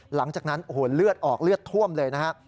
หลังจากนั้นโอ้โหเลือดออกเลือดท่วมเลยนะฮะ